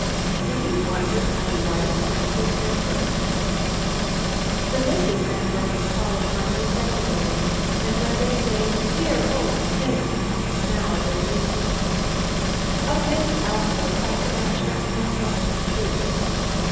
Do you wonder I like Franklin Van Burnam? The Misses Van Burnam call upon me regularly, and when they say "Dear old thing!" now, they mean it. Of Miss Althorpe I cannot trust myself to speak.